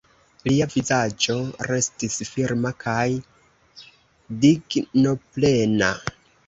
Lia vizaĝo restis firma kaj dignoplena.